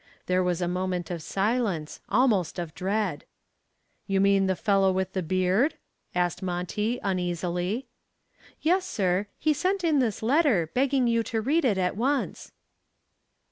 There was a moment of silence, almost of dread. "You mean the fellow with the beard?" asked Monty, uneasily. "Yes, sir. He sent in this letter, begging you to read it at once."